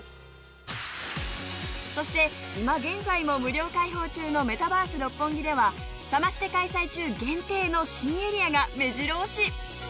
そして今現在も無料開放中のメタバース六本木ではサマステ開催中限定の新エリアがめじろ押し！